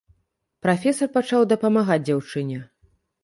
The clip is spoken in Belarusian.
Прафесар пачаў дапамагаць дзяўчыне.